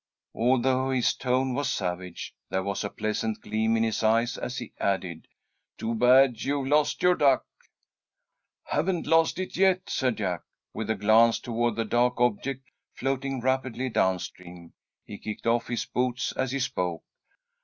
Although his tone was savage, there was a pleasant gleam in his eyes as he added: "Too bad you've lost your duck." "Haven't lost it yet," said Jack, with a glance toward the dark object floating rapidly down stream. He kicked off his boots as he spoke.